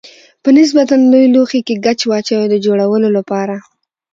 په نسبتا لوی لوښي کې ګچ واچوئ د جوړولو لپاره.